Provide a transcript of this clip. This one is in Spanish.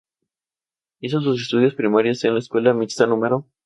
Hizo sus estudios primarios en la Escuela Mixta No.